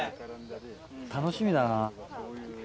・楽しみだな・